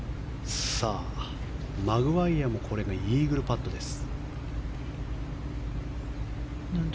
マグワイヤもこれがイーグルパットです。